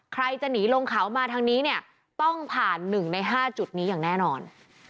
ใครจะหนีลงเขามาทางนี้เนี่ยต้องผ่าน๑ใน๕จุดนี้อย่างแน่นอน